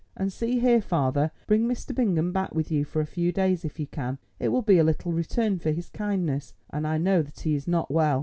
And see here, father, bring Mr. Bingham back with you for a few days if you can. It will be a little return for his kindness, and I know that he is not well.